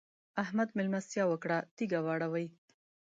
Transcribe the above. احمد؛ مېلمستيا وکړه - تيږه واړوئ.